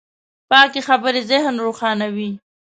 پاکې خبرې ذهن روښانوي.